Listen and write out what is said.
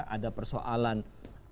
ada persoalan proses integrasi